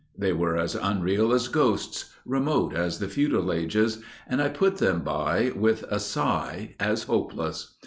They were as unreal as ghosts, remote as the Feudal Ages, and I put them by with a sigh as hopeless.